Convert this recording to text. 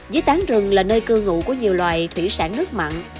dưới tán rừng là nơi cư ngụ của nhiều loài thủy sản nước mặn